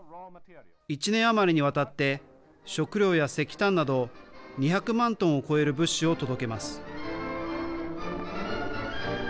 １年余りにわたって食料や石炭など２００万トンを超える物資を届けます。